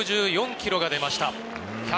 １６４キロが出ました。